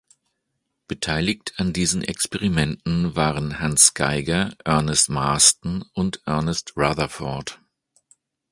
Beteiligt an diesen Experimenten waren Hans Geiger, Ernest Marsden und Ernest Rutherford.